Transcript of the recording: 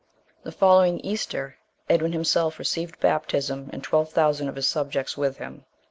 The following Easter Edwin himself received baptism, and twelve thousand of his subjects with him.